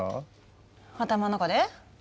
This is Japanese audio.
頭の中で？